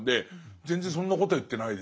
全然そんなことは言ってないですね。